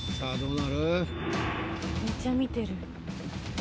めっちゃ見てる。